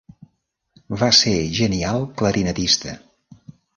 Va ser genial clarinetista.